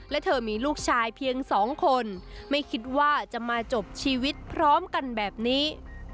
และเธอมีลูกชายเพียงสองคนไม่คิดว่าจะมาจบชีวิตพร้อมกันแบบนี้